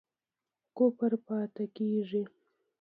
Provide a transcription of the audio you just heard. کفر پاتی کیږي؟